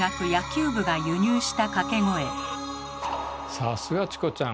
さすがチコちゃん！